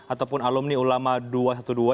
ataupun alumni ulama dua satu dua